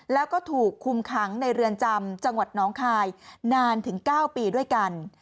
แล้วก็ถูกคุมขังในเรือนจำจังหวัดน้องคายนานถึง๙ปีด้วยกัน